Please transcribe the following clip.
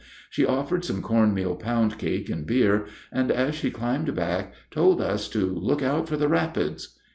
She offered some corn meal pound cake and beer, and as she climbed back told us to "look out for the rapids."